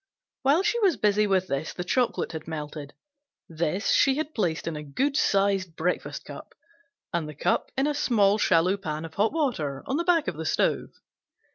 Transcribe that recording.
While she was busy with this the chocolate had melted; this she had placed in a good sized breakfast cup, and the cup in a small shallow pan of hot water on the back of the stove.